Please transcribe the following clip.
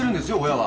親は。